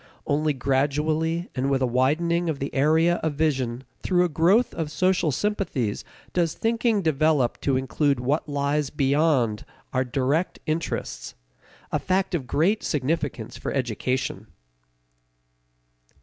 Only gradually and with a widening of the area of vision through a growth of social sympathies does thinking develop to include what lies beyond our direct interests: a fact of great significance for education.